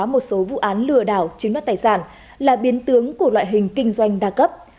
một số vụ án lừa đảo chiếm đoạt tài sản là biến tướng của loại hình kinh doanh đa cấp